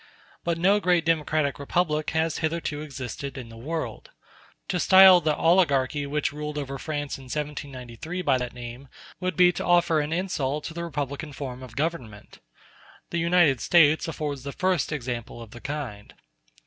But no great democratic republic has hitherto existed in the world. To style the oligarchy which ruled over France in 1793 by that name would be to offer an insult to the republican form of government. The United States afford the first example of the kind.